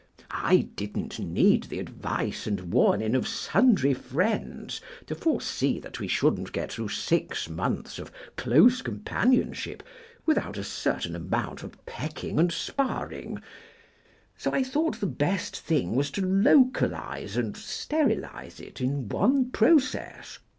I didn't need the advice and warning of sundry friends to foresee that we shouldn't get through six months of close companionship without a certain amount of pecking and sparring, so I thought the best thing was to localise and sterilise it in one process.